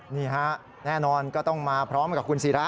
นี่ค่ะแน่นอนก็ต้องมาพร้อมกับคุณซีระค่ะ